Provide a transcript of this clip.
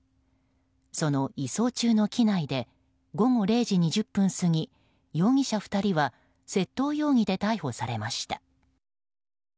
その移送中の機内で午後０時２０分過ぎ容疑者２人は窃盗容疑で逮捕されました。